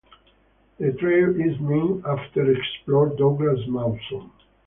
The trail is named after explorer Douglas Mawson.